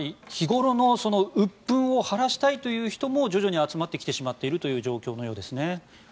日頃のうっ憤を晴らしたいという人も徐々に集まってきてしまっている状況のようですね。